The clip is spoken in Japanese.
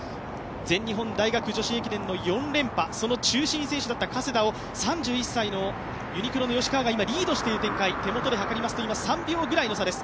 全日本大学女子駅伝の４連覇、その中心選手だった加世田を３１歳のユニクロの吉川が今リードしている展開、３秒ぐらいの差です。